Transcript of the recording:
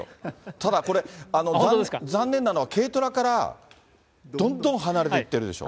ただ、これ、残念なのは軽トラからどんどん離れていってるでしょ？